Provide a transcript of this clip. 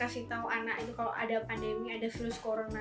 kasih tahu anak ini kalau ada pandemi ada virus corona